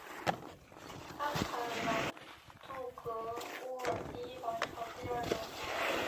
阿卡兰杜格乌尔第一王朝第二任国王。